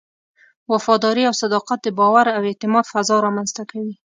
وفاداري او صداقت د باور او اعتماد فضا رامنځته کوي.